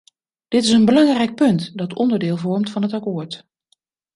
Dit is een belangrijk punt, dat onderdeel vormt van het akkoord.